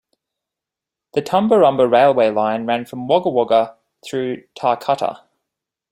The Tumbarumba railway line ran from Wagga Wagga through Tarcutta.